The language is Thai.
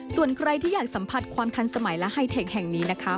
ส่วนใครที่อยากสัมผัสความทันสมัยและไฮเทคแห่งนี้นะคะ